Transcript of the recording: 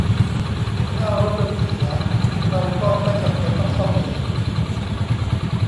ถ้ารถยนต์เสีย เราก็ไม่จำเป็นต้องซ่อมเอง